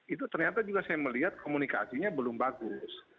itu ternyata juga saya melihat komunikasinya belum bagus